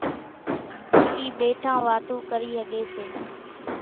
اِي ٻيٺان واتون ڪري ۿڳي سي۔